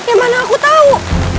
ya mana aku tahu